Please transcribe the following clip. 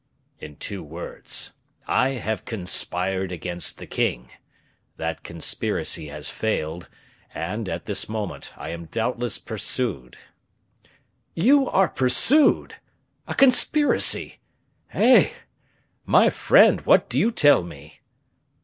"In two words. I have conspired against the king; that conspiracy has failed, and, at this moment, I am doubtless pursued." "You are pursued! a conspiracy! Eh! my friend, what do you tell me?"